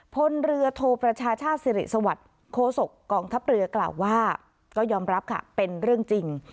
พลเรือโทประชาชาติสิริสวัสดิ์โคศกกองทัพเรือกล่าวว่าก็ยอมรับค่ะเป็นเรื่องจริง